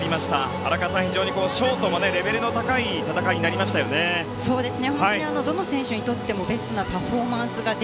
荒川さん、ショートもレベルの高い戦いになりましたよね。